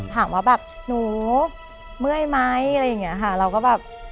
ถามว่าแบบหนูเมื่อยไหมอะไรอย่างเงี้ยค่ะเราก็แบบ